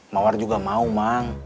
mawar juga mau mang